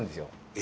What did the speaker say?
え？